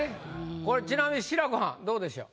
これちなみに志らくはんどうでしょう？